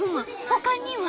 ほかには？